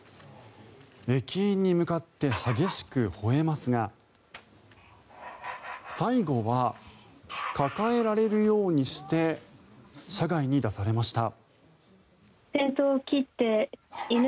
駅員に向かって激しくほえますが最後は抱えられるようにして車外に出されました。